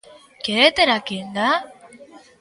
¿Quere ter a quenda?